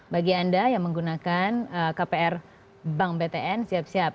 bagi anda yang menggunakan kpr bank btn siap siap